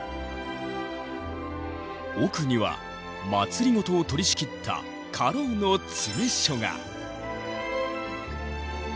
奥には政を取りしきった家老の詰所が。